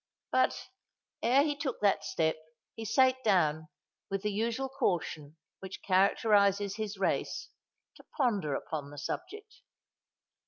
But, ere he took that step, he sate down, with the usual caution which characterises his race, to ponder upon the subject.